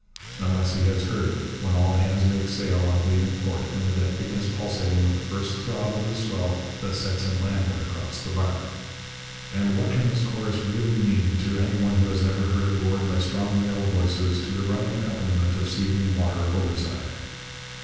unless he has heard it when all hands make sail on leaving port, and the deck begins pulsating with the first throb of the swell that sets in landward across the bar. And what can this chorus really mean to any one who has never heard it roared by strong male voices to the running accompaniment of seething water overside?